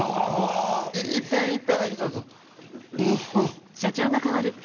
いっぺんいっぺんだけちょっと。